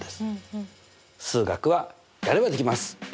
数学はやればできます！